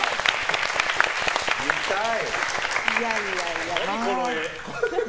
見たい！